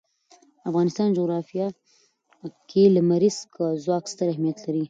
د افغانستان جغرافیه کې لمریز ځواک ستر اهمیت لري.